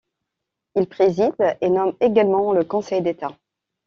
Il préside et nomme également le Conseil d'État.